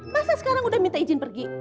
masa sekarang udah minta izin pergi